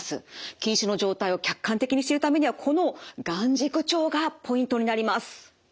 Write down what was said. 近視の状態を客観的に知るためにはこの眼軸長がポイントになります。